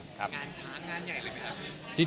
งานช้างงานใหญ่เลยไหมครับ